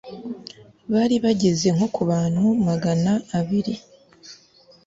bari bageze nko ku bantu magana abiri